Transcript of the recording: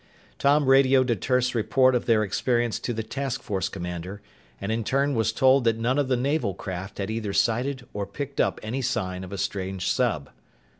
Tom radioed a terse report of their experience to the task force commander and in turn was told that none of the naval craft had either sighted or picked up any sign of a strange sub.